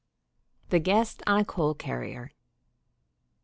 THE GUEST ON A COAL CARRIER.